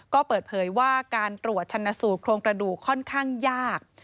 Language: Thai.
ก็เปิดเผยว่าการตรวจชนะสูตรโครงกระดูกค่อนข้างยาก